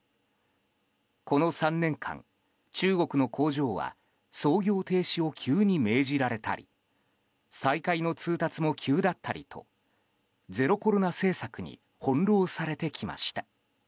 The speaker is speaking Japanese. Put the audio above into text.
この３年間、中国の工場は操業停止を急に命じられたり再開の通達も急だったりとゼロコロナ政策に翻弄されてきました。